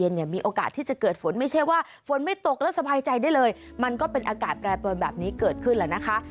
เนี่ยมีโอกาสที่จะเกิดฝนไม่ใช่ว่าฝนไม่ตกแล้วสบายใจได้เลยมันก็เป็นอากาศแปรปรวนแบบนี้เกิดขึ้นแล้วนะคะ